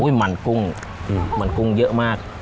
อุ้ยหมั่นกุ้งหมั่นกุ้งเยอะมาก